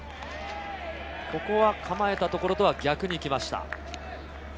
ここは構えたところとは逆に行きました。